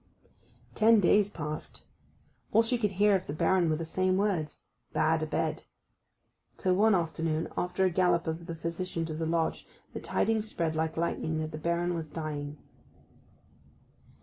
Ten days passed. All she could hear of the Baron were the same words, 'Bad abed,' till one afternoon, after a gallop of the physician to the Lodge, the tidings spread like lightning that the Baron was dying.